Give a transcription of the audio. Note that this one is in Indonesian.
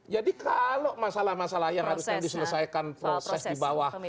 jadi kalau masalah masalah yang harusnya diselesaikan proses di bawah